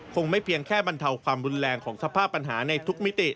ไม่เพียงแค่บรรเทาความรุนแรงของสภาพปัญหาในทุกมิติ